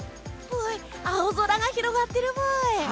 青空が広がってるブイ！